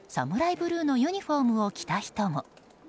ブルーのユニホームを着た人も。